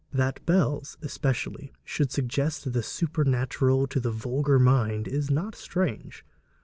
That bells, especially, should suggest the supernatural to the vulgar mind is not strange.